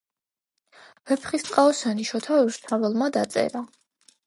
ვეფხისტყაოსანი შოთა რუსთაველმა დაწერა.